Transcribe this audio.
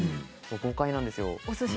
豪快なんですよ。